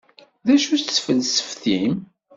D acu-tt tfelseft-im?